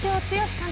監督